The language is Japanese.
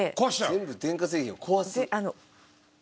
全部電化製品を壊す？